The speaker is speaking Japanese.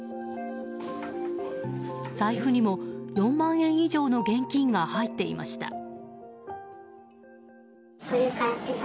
財布にも４万円以上の現金が入っていました。